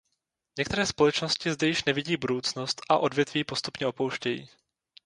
Některé společnosti zde již nevidí budoucnost a odvětví postupně opouštějí.